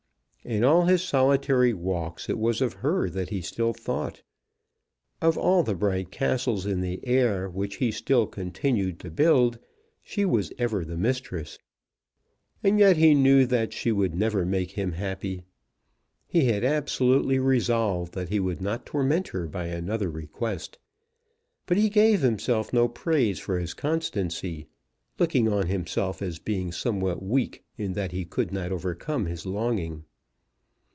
In all his solitary walks it was of her that he still thought. Of all the bright castles in the air which he still continued to build, she was ever the mistress. And yet he knew that she would never make him happy. He had absolutely resolved that he would not torment her by another request. But he gave himself no praise for his constancy, looking on himself as being somewhat weak in that he could not overcome his longing.